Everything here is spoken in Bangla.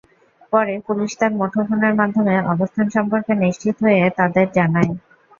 পরে পুলিশ তাঁর মুঠোফোনের মাধ্যমে অবস্থান সম্পর্কে নিশ্চিত হয়ে তাঁদের জানায়।